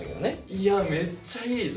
いやめっちゃいいぞ！